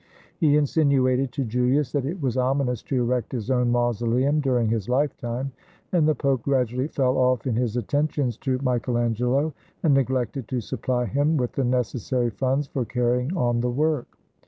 He insinuated to Julius that it was ominous to erect his own mausoleum during his Hfetime, and the Pope gradually fell off in his attentions to Michael Angelo, and neglected to supply him with the necessary funds for carrying on the work.